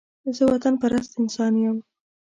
زه وطن پرست انسان يم